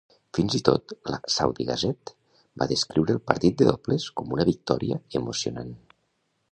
Fins i tot la "Saudi Gazette" va descriure el partit de dobles com una victòria "emocionant".